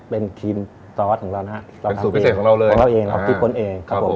เป็นครีมซอสของเรานะฮะเราเป็นสูตรพิเศษของเราเลยของเราเองเราคิดค้นเองครับผม